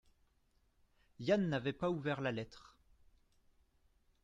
Yann n’avait pas ouvert la lettre.